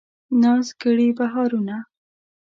ناز کړي بهارونه